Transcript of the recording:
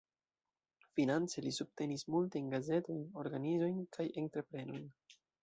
Finance li subtenis multajn gazetojn, organizojn kaj entreprenojn.